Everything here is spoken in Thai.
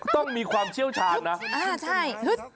ต้องมีความเชี่ยวชาญนะอ่ะใช่